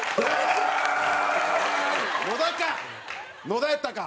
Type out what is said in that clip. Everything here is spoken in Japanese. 野田か！